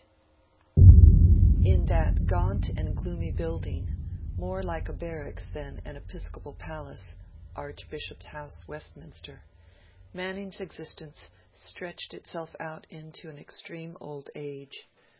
X IN that gaunt and gloomy building more like a barracks than an Episcopal palace Archbishop's House, Westminster, Manning's existence stretched itself out into an extreme old age.